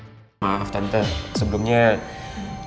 engga gak apa apa penting aja lu punya kasih